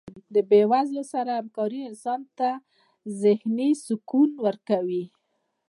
د بې وزلو سره هکاري انسان ته ذهني سکون ورکوي.